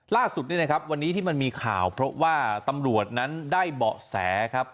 ล่าสุดนี่นะครับวันนี้ที่มันมีข่าวเพราะว่าตำรวจนั้นได้เบาะแสครับ